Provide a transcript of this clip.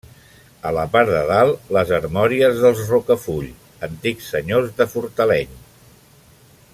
A la part de dalt, les armories dels Rocafull, antics senyors de Fortaleny.